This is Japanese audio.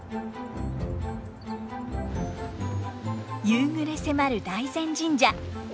夕暮れ迫る大膳神社。